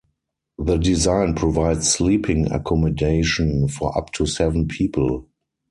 The design provides sleeping accommodation for up to seven people.